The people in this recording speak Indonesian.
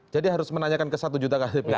jadi harus menanyakan ke satu juta ktp